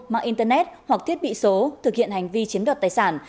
mạng internet hoặc thiết bị số thực hiện hành vi chiếm đoạt tài sản